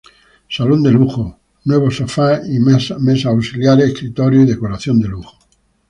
Salón de Lujo: Nuevos sofás y mesas auxiliares, escritorios y decoración de lujo.